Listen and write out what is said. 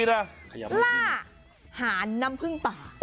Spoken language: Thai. กล้าหาน้ำพึ่งป่า